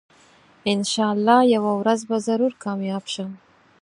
انشاالله یوه ورځ به ضرور کامیاب شم